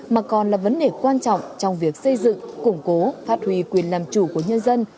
mà còn là vấn đề quan trọng trong việc xây dựng củng cố phát huy quyền làm chủ của nhân dân